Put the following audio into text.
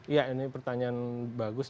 ya ini pertanyaan bagus